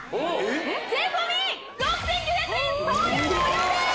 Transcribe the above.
税込６９００円送料無料です！